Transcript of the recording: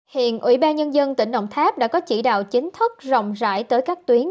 hiện ủy ban nhân dân tỉnh đồng tháp đã có chỉ đạo chính thức rộng rãi tới các tuyến